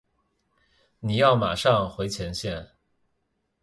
你要马上回前线。